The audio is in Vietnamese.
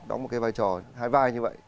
đóng một cái vai trò hai vai như vậy